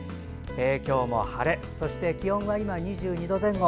今日も晴れ、気温は２２度前後。